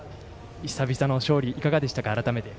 久々の勝利、いかがでしたか。